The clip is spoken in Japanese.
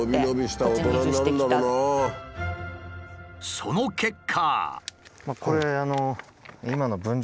その結果。